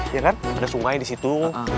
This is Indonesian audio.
iya kan ada sungai di situ